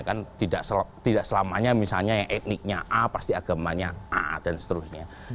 kan tidak selamanya misalnya yang etniknya a pasti agamanya a dan seterusnya